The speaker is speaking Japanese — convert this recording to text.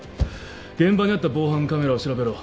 現場にあった防犯カメラを調べろ。